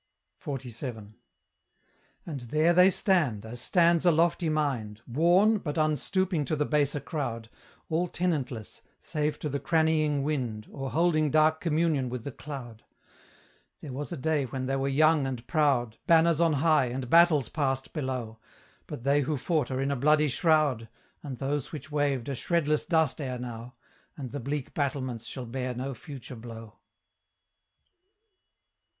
XLVII. And there they stand, as stands a lofty mind, Worn, but unstooping to the baser crowd, All tenantless, save to the crannying wind, Or holding dark communion with the cloud. There was a day when they were young and proud, Banners on high, and battles passed below; But they who fought are in a bloody shroud, And those which waved are shredless dust ere now, And the bleak battlements shall bear no future blow.